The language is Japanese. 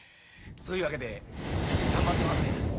そういうわけで頑張ってますねや。